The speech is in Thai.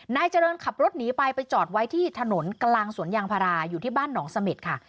นายเจริญขับรถหนีไปไปจอดไว้ที่ถนนกลางสวนยางพาราอยู่ที่บ้านหนองเสม็ดค่ะ